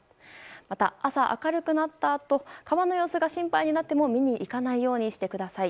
また、朝明るくなったあと川の様子が心配になっても見に行かないようにしてください。